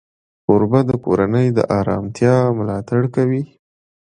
کوربه د کورنۍ د آرامتیا ملاتړ کوي.